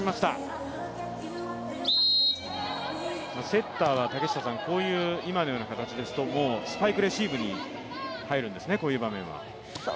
セッターは今のような形ですと、もうスパイクレシーブに入るんですね、こういう場面は。